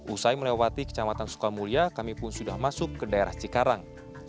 usai melewati kecamatan sukamulya kami pun sudah masuk ke daerah cikarang